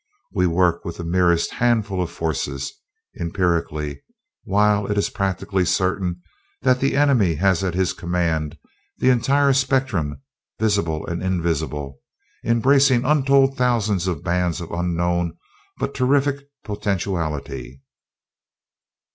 We work with the merest handful of forces, empirically, while it is practically certain that the enemy has at his command the entire spectrum, visible and invisible, embracing untold thousands of bands of unknown but terrific potentiality."